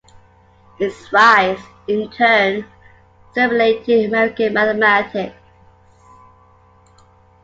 Its rise, in turn, stimulated American mathematics.